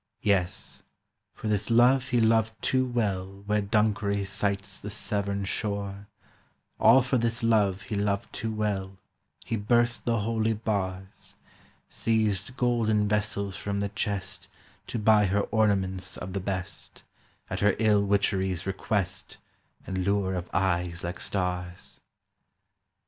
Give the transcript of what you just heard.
Yes; for this Love he loved too well Where Dunkery sights the Severn shore, All for this Love he loved too well He burst the holy bars, Seized golden vessels from the chest To buy her ornaments of the best, At her ill witchery's request And lure of eyes like stars